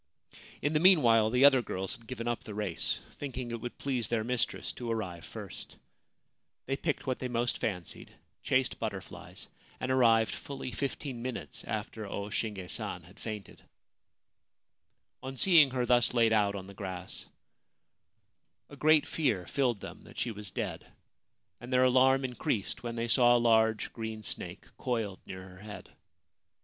In the meanwhile the other girls had given up the race, thinking it would please their mistress to arrive first. They picked what they most fancied, chased butterflies, and arrived fully fifteen minutes after O Shinge San had fainted. On seeing her thus laid out on the grass, a great fear 20 SHIMIZUTANI. THE SERVANTS FIND THEIR MISTRESS LYING INSENSIBLE Ghost of the Violet Well filled them that she was dead, and their alarm increased when they saw a large green snake coiled near her head.